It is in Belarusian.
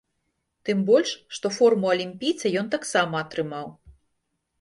Тым больш, што форму алімпійца ён таксама атрымаў.